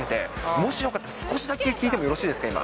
もしよかったら、少しだけ聞いてもよろしいですか、今。